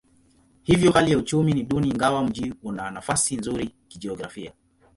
Hivyo hali ya uchumi ni duni ingawa mji una nafasi nzuri kijiografia.